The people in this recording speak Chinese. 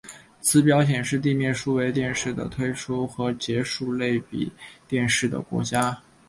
此表显示地面数位电视的推出和结束类比电视的国家。